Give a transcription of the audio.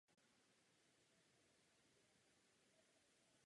Producenti také přivedli nového režiséra Dona Taylora.